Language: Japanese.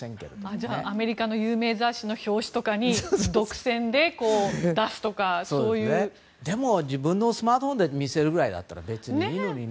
じゃあ、アメリカの有名雑誌の表紙とかに独占で出すとか。自分のスマートフォンで見せるぐらいなら別にいいのにね。